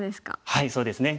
はいそうですね。